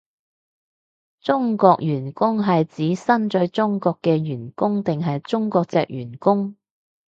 中國員工係指身在中國嘅員工定係中國藉員工？